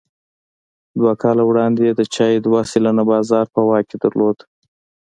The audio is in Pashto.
دوه کاله وړاندې یې د چای دوه سلنه بازار په واک کې درلود.